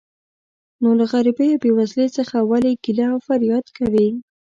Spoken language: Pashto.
نو له غریبۍ او بې وزلۍ څخه ولې ګیله او فریاد کوې.